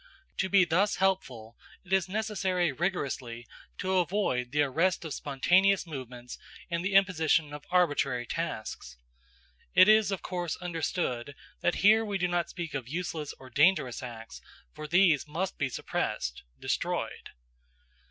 To be thus helpful it is necessary rigorously to avoid the arrest of spontaneous movements and the imposition of arbitrary tasks. It is of course understood, that here we do not speak of useless or dangerous acts, for these must be suppressed, destroyed.